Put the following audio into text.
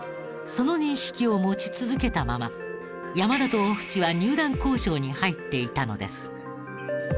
その認識を持ち続けたまま山田と大渕は入団交渉に入っていたのです。